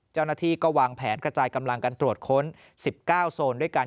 เจ้าหน้าที่ก็วางแผนกระจายกำลังกันตรวจค้น๑๙โซนด้วยกัน